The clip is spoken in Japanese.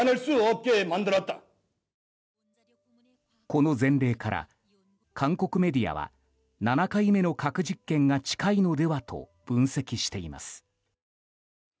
この前例から韓国メディアは７回目の核実験が近いのではと分析しています。